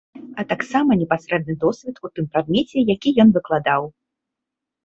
А таксама непасрэдны досвед у тым прадмеце, які ён выкладаў.